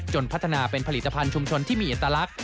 จนพัฒนาเป็นผลิตภัณฑ์ชุมชนที่มีอินตรรัก